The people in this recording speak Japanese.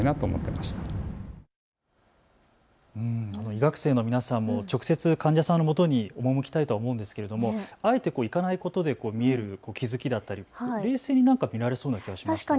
医学生の皆さんも直接、患者さんのもとに赴きたいと思うんですけれどもあえて行かないことで見える気付きだったり冷静に何か見られそうな気がします。